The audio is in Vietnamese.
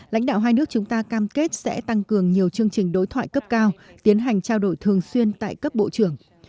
lãnh đạo hai nước chúng ta cam kết sẽ tăng cường nhiều chương trình đối thoại cấp cao tiến hành trao đổi thường xuyên tại cấp bộ trưởng